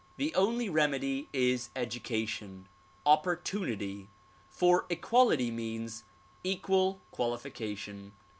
The only remedy is education, opportunity ; for equality means equal qualification.